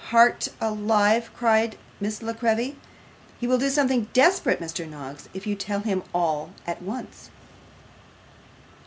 'Heart alive!' cried Miss La Creevy. 'He will do something desperate, Mr Noggs, if you tell him all at once.